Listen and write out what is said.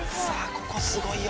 ここすごいよ。